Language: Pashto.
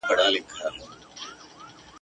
نه یې زور نه یې منګول د چا لیدلی !.